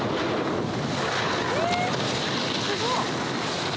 えすごっ！